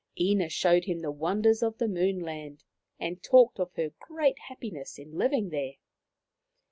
Ina showed him the wonders of the Moon land, and talked of her great happiness in living there.